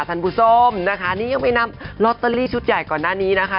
คุณผู้ชมนะคะนี่ยังไปนำลอตเตอรี่ชุดใหญ่ก่อนหน้านี้นะคะ